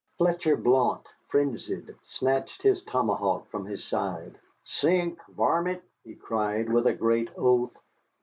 Fletcher Blount, frenzied, snatched his tomahawk from his side. "Sink, varmint!" he cried with a great oath.